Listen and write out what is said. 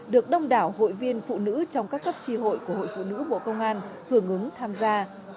được đông đảo hội viên phụ nữ trong các cấp tri hội của hội phụ nữ bộ công an hưởng ứng tham gia